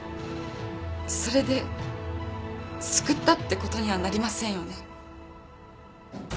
それで救ったってことにはなりませんよね。